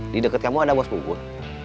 di deket kamu ada bos bubuk